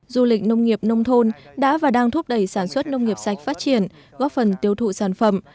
du lịch nông nghiệp nông thôn đã và đang thúc đẩy sản xuất nông nghiệp sạch phát triển góp phần tiêu thụ sản phẩm